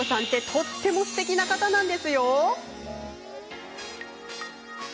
とってもすてきな方なんですよ。